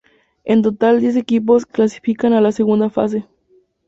En total, diez equipos clasificaban a la segunda fase.